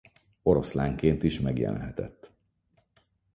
Oroszlánként is megjelenhetett.